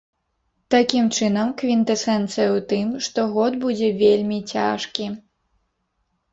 Такім чынам, квінтэсэнцыя у тым, што год будзе вельмі цяжкі.